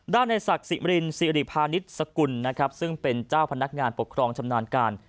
ด้านในศักดิ์ศรีภาณิสกุลนะครับซึ่งเป็นเจ้าพนักงานปกครองชำนาญการ